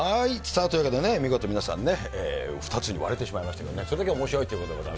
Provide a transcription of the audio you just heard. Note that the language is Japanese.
というわけで見事、皆さんね、２つに割れてしまいましたけど、それだけおもしろいということで。